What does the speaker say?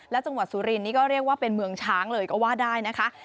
และจังหวัดสุรินนี่ก็เรียกว่าเป็นเมืองช้างเลยก็ว่าได้นะคะ